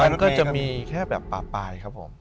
มันก็จะมีแค่แบบปลาปลายครับผม